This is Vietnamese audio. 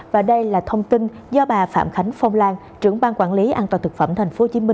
và đây là thông tin do bà phạm khánh phong lan trưởng ban quản lý an toàn thực phẩm tp hcm